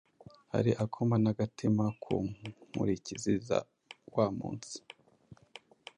ariko akoma n’agatima ku nkurikizi za “ wa munsi”!)